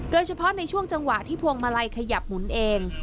โดยเฉพาะในช่วงจังหวะที่พวงมาลัยขยับหมุนเอง